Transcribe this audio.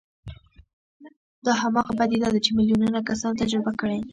دا هماغه پديده ده چې ميليونونه کسانو تجربه کړې.